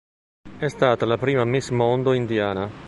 È stata la prima Miss Mondo indiana.